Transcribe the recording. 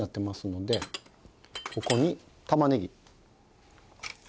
ここに玉ねぎ。